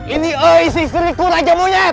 ini eh martin luadzim udwajemult